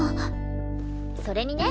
それにね